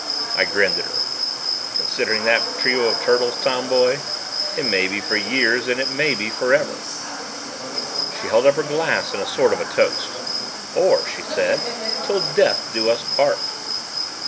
I grinned at her. "Considering that trio of turtles, Tomboy, it may be for years and it may be forever." She held up her glass in a sort of a toast. "Or," she said, "'Til death do us part!"